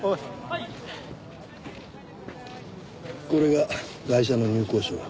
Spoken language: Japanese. これがガイシャの入構証。